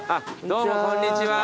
どうもこんにちは。